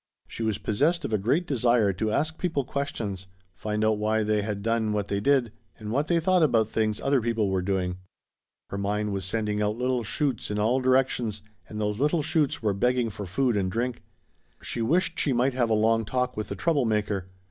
She was possessed of a great desire to ask people questions, find out why they had done what they did and what they thought about things other people were doing. Her mind was sending out little shoots in all directions and those little shoots were begging for food and drink. She wished she might have a long talk with the "trouble maker."